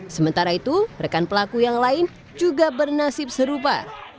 sementara itu rekan pelaku yang lain juga bernasib serupa